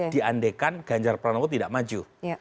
diandekan ganjar pranowo tidak maju